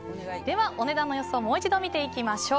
お値段の予想をもう一度、見ていきましょう。